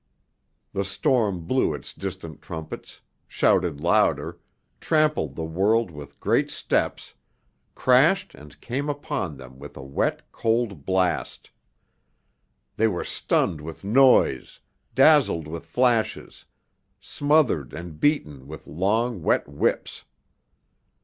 The storm blew its distant trumpets, shouted louder, trampled the world with great steps, crashed and came upon them with a wet, cold blast. They were stunned with noise, dazzled with flashes, smothered and beaten with long, wet whips.